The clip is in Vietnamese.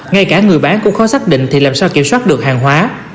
ngay cả người bán cũng khó xác định thì làm sao kiểm soát được hàng hóa